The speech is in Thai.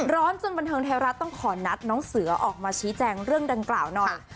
จนบันเทิงไทยรัฐต้องขอนัดน้องเสือออกมาชี้แจงเรื่องดังกล่าวหน่อย